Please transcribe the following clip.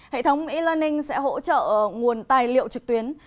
hệ thống e learning sẽ hỗ trợ nguồn tài liệu trực tuyến